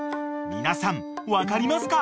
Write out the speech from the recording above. ［皆さん分かりますか？］